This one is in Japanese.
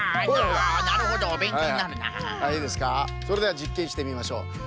それではじっけんしてみましょう。